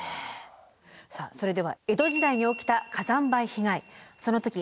さあそれでは江戸時代に起きた火山灰被害その時何が起きたのか。